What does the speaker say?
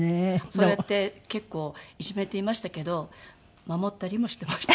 そうやって結構いじめていましたけど守ったりもしてました。